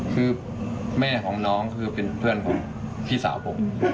คือแม่ของน้องคือเป็นเพื่อนผมพี่สาวผม